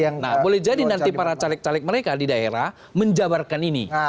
nah boleh jadi nanti para caleg caleg mereka di daerah menjabarkan ini